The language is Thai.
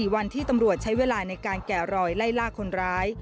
วันที่ตำรวจใช้เวลาในการแกะรอยไล่ล่าคนร้าย